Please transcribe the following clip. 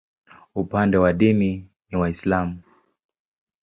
Upande wa dini ni Waislamu.